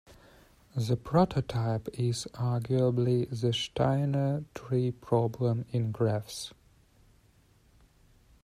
The prototype is, arguably, the Steiner tree problem in graphs.